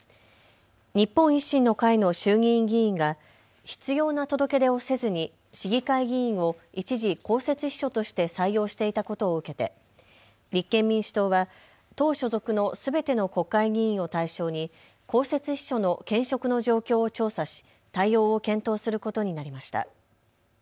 日本維新の会の衆議院議員が必要な届け出をせずに市議会議員を一時、公設秘書として採用していたことを受けて立憲民主党は党所属のすべての国会議員を対象に公設秘書の兼職の状況を調査し、対応を検討することになりました。